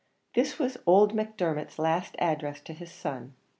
This was old Macdermot's last address to his son.